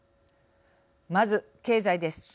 まず、経済です。